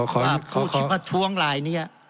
ขอขอพูดชีวภาททวงรายเนี้ย